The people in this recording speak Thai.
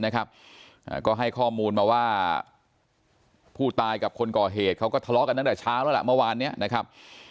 ก็ให้ข้อมูลมาว่าผู้ตายกับคนก่อเหตุเขาก็ทะเลาะกันตั้งแต่เช้าแล้วล่ะเมื่อวานนี้นะครับ